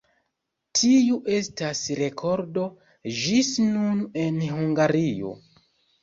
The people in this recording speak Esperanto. Tiu estas rekordo ĝis nun en Hungario.